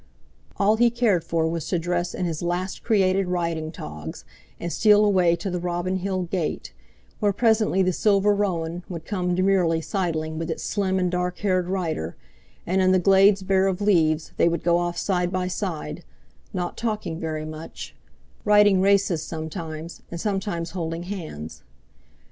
All he cared for was to dress in his last created riding togs, and steal away to the Robin Hill Gate, where presently the silver roan would come demurely sidling with its slim and dark haired rider, and in the glades bare of leaves they would go off side by side, not talking very much, riding races sometimes, and sometimes holding hands.